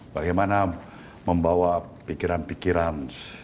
bagaimana membawa pikiran pikiran